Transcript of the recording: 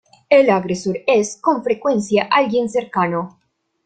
El agresor es, con frecuencia alguien cercano.